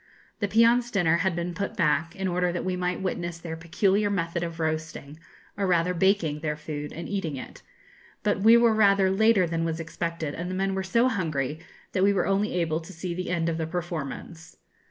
The peons' dinner had been put back, in order that we might witness their peculiar method of roasting, or rather baking, their food, and eating it; but we were rather later than was expected, and the men were so hungry that we were only able to see the end of the performance.